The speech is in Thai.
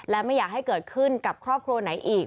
และไม่อยากให้เกิดขึ้นกับครอบครัวไหนอีก